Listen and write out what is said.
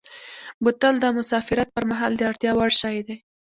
بوتل د مسافرت پر مهال د اړتیا وړ شی دی.